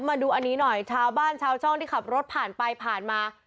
มาดูอันนี้หน่อยชาวบ้านชาวช่องที่ขับรถผ่านไปผ่านมา